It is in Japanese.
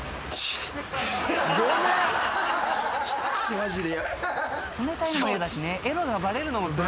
マジで。